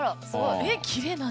えっきれいな脚。